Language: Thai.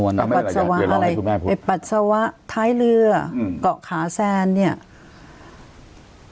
วัตต์ท้ายเรือเกาะขาแทร้นเนี่ยก็แทร้นเห็นคนเดียว